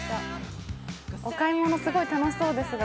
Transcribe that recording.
お買い物、すごい楽しそうですが、